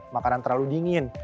makanan terlalu dingin